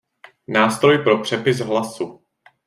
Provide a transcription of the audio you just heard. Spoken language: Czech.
Nástroj pro přepis hlasu.